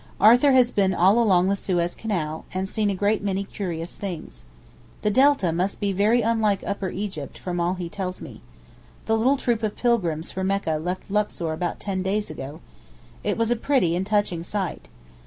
Arthur has been all along the Suez Canal, and seen a great many curious things. The Delta must be very unlike Upper Egypt from all he tells me. The little troop of pilgrims for Mecca left Luxor about ten days ago. It was a pretty and touching sight.